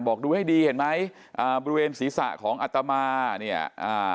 บอกดูให้ดีเห็นไหมอ่าบริเวณศีรษะของอัตมาเนี่ยอ่า